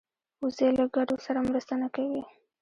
وزې له ګډو سره مرسته نه کوي